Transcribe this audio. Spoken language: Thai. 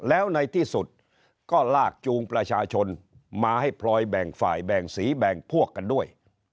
แล้วในที่สุดก็ลากจูงประชาชนมาให้พลอยแบ่งฝ่ายแบ่งสีแบ่งพวกกันด้วย